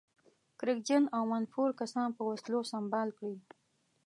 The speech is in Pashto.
کرکجن او منفور کسان په وسلو سمبال کړي.